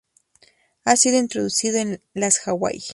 Ha sido introducido en las Hawaii.